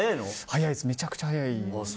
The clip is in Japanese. めちゃくちゃ早いです。